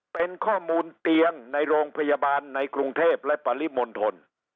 เป็นข้อมูลเตียงในโรงพยาบาลในกรุงเทพและปริมณฑล